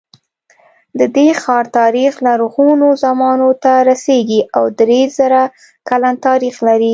د دې ښار تاریخ لرغونو زمانو ته رسېږي او درې زره کلن تاریخ لري.